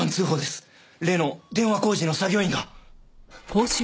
例の電話工事の作業員が。